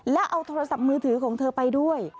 และเอาโทรศัพท์มือถือของเธอไปด้วย